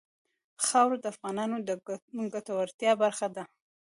خاوره د افغانانو د ګټورتیا برخه ده.